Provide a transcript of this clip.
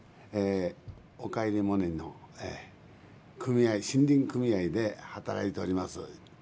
「おかえりモネ」の組合森林組合で働いております